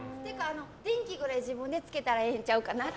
電気ぐらい、自分でつけたらええんちゃうかなって。